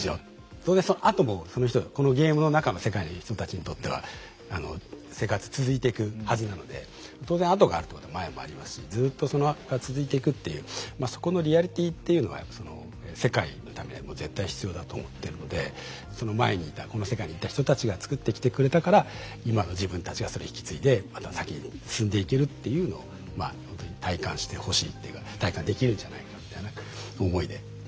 それでそのあともその人はこのゲームの中の世界の人たちにとっては生活続いていくはずなので当然後があるってことは前もありますしずっとその輪が続いていくっていうまあそこのリアリティっていうのはやっぱその世界のためにも絶対必要だと思ってるのでその前にいたこの世界にいた人たちがつくってきてくれたから今の自分たちがそれ引き継いでまた先に進んでいけるっていうのをまあほんとに体感してほしいっていうか体感できるんじゃないかみたいな思いで作ってましたね。